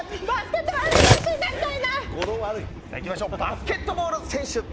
バスケットボール選手。